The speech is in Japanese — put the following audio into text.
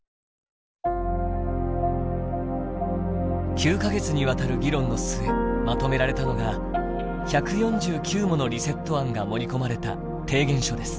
９か月にわたる議論の末まとめられたのが１４９ものリセット案が盛り込まれた提言書です。